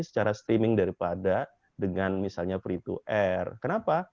secara streaming daripada dengan misalnya free to air kenapa